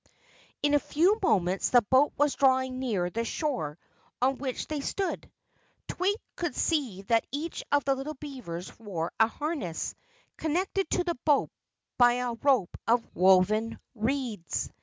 In a few moments the boat was drawing near the shore on which they stood. Twink could see that each of the little beavers wore a harness, connected to the boat by a rope of woven reeds.